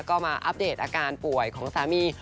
ก็มาอัปเดตอาการป่วยของสามี